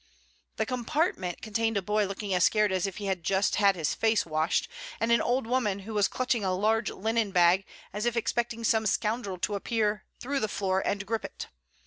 The compartment contained a boy looking as scared as if he had just had his face washed, and an old woman who was clutching a large linen bag as if expecting some scoundrel to appear through the floor and grip it.